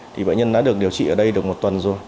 thì bệnh nhân đã được điều trị ở đây được một tuần rồi